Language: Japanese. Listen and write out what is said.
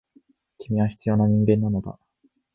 君は必要な人間なのだ。